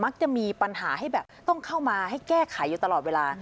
จะมีปัญหาให้แบบต้องเข้ามาให้แก้ไขอยู่ตลอดเวลา